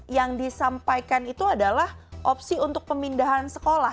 yang disampaikan itu adalah opsi untuk pemindahan sekolah